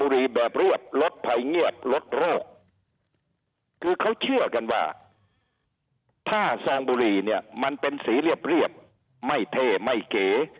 แบบเรียบลดภัยเงียบลดโรคคือเขาเชื่อกันว่าถ้าซองบุหรี่เนี่ยมันเป็นสีเรียบไม่เท่ไม่เก๋